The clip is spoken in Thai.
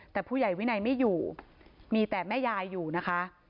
แต่ผู้ใหญ่วินัยไม่อยู่มีแต่แม่ยายอยู่นะคะ